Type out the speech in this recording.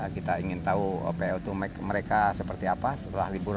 kita ingin tahu opl itu mereka seperti apa setelah libur